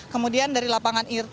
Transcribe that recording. kemudian dari lapangan irti